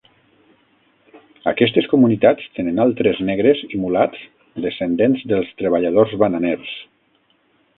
Aquestes comunitats tenen altres negres i mulats descendents dels treballadors bananers.